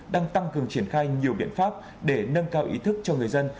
đang tăng cường triển khai nhiều biện pháp để nâng cao ý thức cho người dân